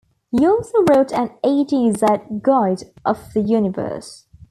He also wrote an A-Z guide of the Universe.